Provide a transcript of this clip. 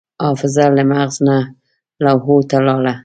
حافظه له مغز نه لوحو ته لاړه.